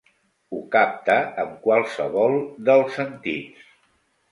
Ho capta amb qualsevol dels sentits.